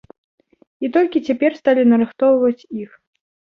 І толькі цяпер сталі нарыхтоўваць іх.